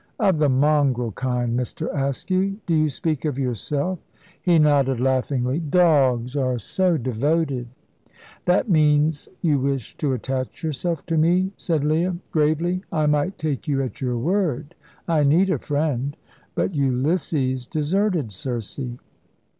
"Of the mongrel kind, Mr. Askew. Do you speak of yourself?" He nodded laughingly. "Dogs are so devoted!" "That means you wish to attach yourself to me," said Leah, gravely. "I might take you at your word I need a friend; but Ulysses deserted Circe."